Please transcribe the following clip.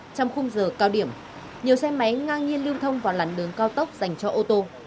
trong khung giờ cao điểm nhiều xe máy ngang nhiên lưu thông vào làn đường cao tốc dành cho ô tô